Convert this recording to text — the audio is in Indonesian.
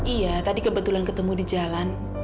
iya tadi ket jaalan sagen pol an ke peda